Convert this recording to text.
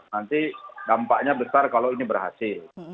nanti dampaknya besar kalau ini berhasil